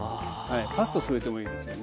パスタ添えてもいいですよね。